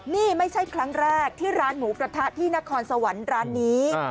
นี่ไม่ใช่ครั้งแรกที่ร้านหมูกระทะที่นครสวรรค์ร้านนี้